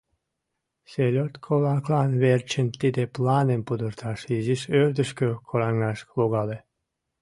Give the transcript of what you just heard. Селёдко-влаклан верчын тиде планым пудырташ, изиш ӧрдыжкӧ кораҥаш логале.